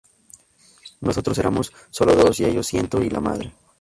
Nosotros éramos solo dos y ellos ciento y la madre